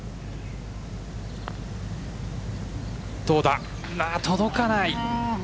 どうだ、届かない。